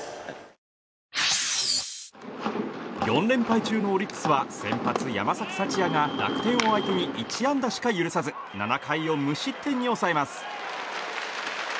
４連敗中のオリックスは先発、山崎福也が楽天を相手に１安打しか許さず７回を無失点に抑えます。